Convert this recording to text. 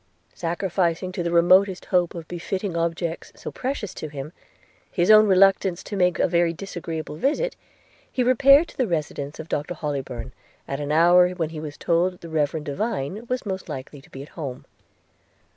Sacrificing to the remotest hope of benefiting objects, so precious to him, his own reluctance to make a very disagreeable visit, he repaired to the residence of Dr Hollybourn, at an hour when he was told the reverend Divine was most likely to be at home.